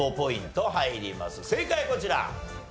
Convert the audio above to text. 正解こちら。